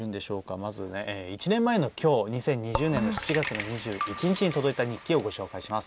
まず１年前のきょう２０２０年７月２１日に届いた日記をご紹介します。